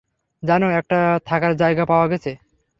জানো, একটা থাকার জায়গা পাওয়া গেছে!